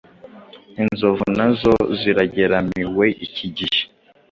inzovu nazo zirageramiwe iki gihe